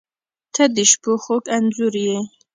• ته د شپو خوږ انځور یې.